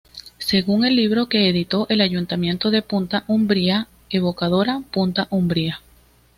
Según el libro que editó el ayuntamiento de Punta Umbría "Evocadora Punta Umbría".